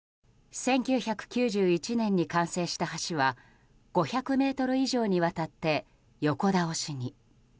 １９９１年に完成した橋は５００ｍ以上にわたって横倒しに。